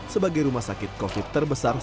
sebagai rumah sakit covid terbesar